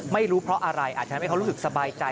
ไม่รู้เพราะอะไรอาจจะทำให้เขารู้สึกสบายใจ